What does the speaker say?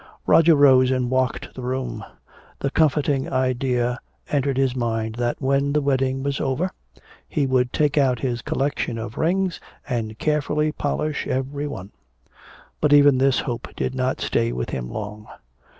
Roger rose and walked the room. The comforting idea entered his mind that when the wedding was over he would take out his collection of rings and carefully polish every one. But even this hope did not stay with him long.